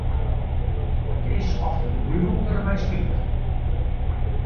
It is oft de duvel dermei spilet.